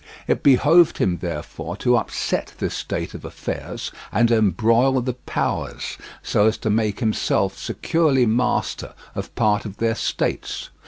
It behoved him, therefore, to upset this state of affairs and embroil the powers, so as to make himself securely master of part of their states.